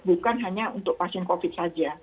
bukan hanya untuk pasien covid saja